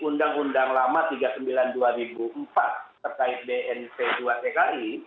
nah ini harus diketahui publik bahwa di undang undang lama tiga puluh sembilan dua ribu empat terkait bnp dua tki